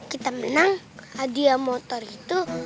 kita menang hadiah motor itu